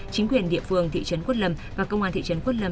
chính quyền địa phương thị trấn quất lâm và công an thị trấn quất lâm